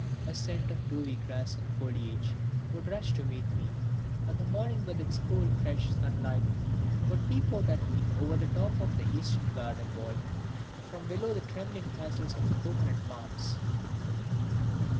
A scent of dewy grass and foliage would rush to meet me, and the morning with its cool fresh sunlight would peep out at me over the top of the Eastern garden wall from below the trembling tassels of the cocoanut palms.